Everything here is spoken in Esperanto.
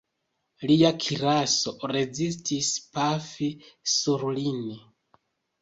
Lia kiraso rezistis pafi sur lin.